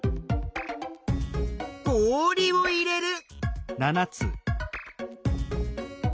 氷を入れる。